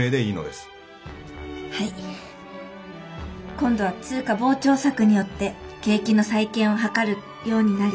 今度は通貨膨張策によって景気の再建を図るようになり。